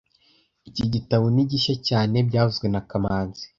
Iki gitabo ni gishya cyane byavuzwe na kamanzi